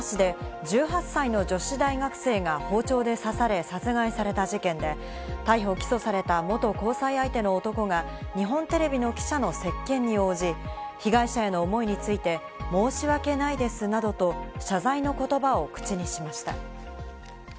先月、横浜市で１８歳の女子大学生が包丁で刺され、殺害された事件で、逮捕・起訴された元交際相手の男が日本テレビの記者の接見に応じ、被害者への思いについて、申し訳ないですなどと謝罪の言葉を口にしました。